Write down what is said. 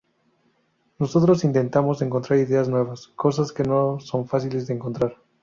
Nosotros intentamos encontrar ideas nuevas, cosas que no son fáciles de encontrar.